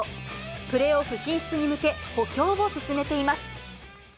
プレーオフ進出へ向け、補強を進めています。